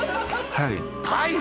「はい」